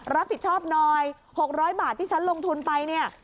รับผิดชอบหน่อย๖๐๐บาทที่ฉันลงทุนไปเนี่ย